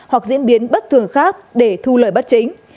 hoặc diễn biến bất thường khác để thu lời bất chính